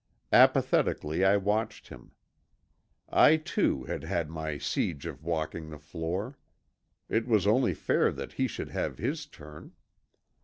Apathetically I watched him. I too had had my siege of walking the floor. It was only fair that he should have his turn.